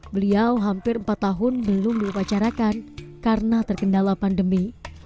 beliau hampir empat tahun belum diupacarakan karena terkendala pandemi